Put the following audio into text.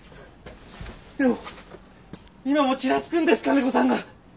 でも今もチラつくんです金子さんが。